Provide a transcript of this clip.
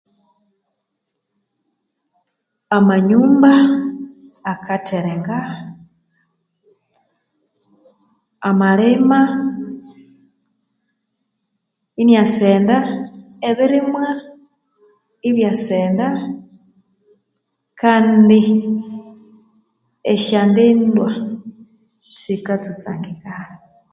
Amanyumba akatherenga, amalima inya senda, ebirimwa ibya senda, kandi esya ntindo sikatsutsangika.